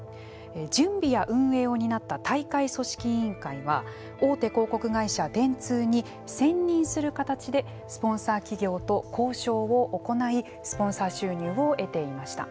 準備や運営を担った大会組織委員会は大手広告会社電通に専任する形でスポンサー企業と交渉を行いスポンサー収入を得ていました。